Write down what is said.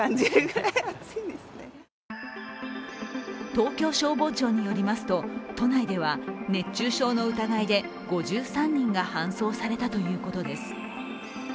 東京消防庁によりますと、都内では熱中症の疑いで５３人が搬送されたということです。